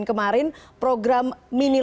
kemarin program mini